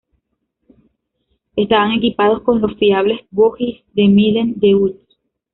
Estaban equipados con los fiables bogies de Minden-Deutz.